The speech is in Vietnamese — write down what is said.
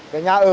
cái nhà ưu